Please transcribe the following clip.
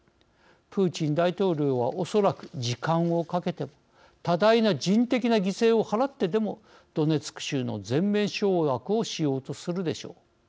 プーチン大統領はおそらく時間をかけても多大な人的な犠牲を払ってでもドネツク州の全面掌握をしようとするでしょう。